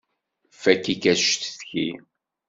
Fakk-ik acetki!